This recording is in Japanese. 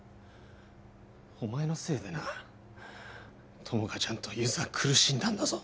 お前のせいでな友果ちゃんとゆづは苦しんだんだぞ